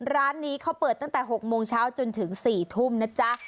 ร้านนี้เขาเปิดตั้งแต่๖โมงเช้าจนถึง๔ทุ่มนะจ๊ะ